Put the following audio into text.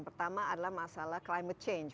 pertama adalah masalah climate change